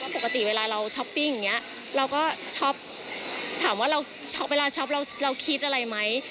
ปกติเวลาเราช้อปปิ้งอย่างนี้เราก็ช็อปถามว่าเราเวลาช็อปเราคิดอะไรไหม